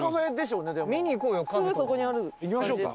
行きましょうか。